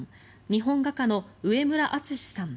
日本画家の上村淳之さん